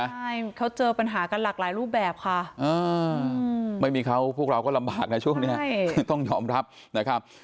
ใช่เขาเจอปัญหากันหลากหลายรูปแบบค่ะไม่มีเขาพวกเราก็ลำบากนะช่วงนี้คือต้องยอมรับนะครับ